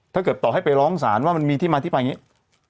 ถ้าเกิดต่อให้ไปร้องศาลว่ามันมีที่มาที่ไปอย่างนี้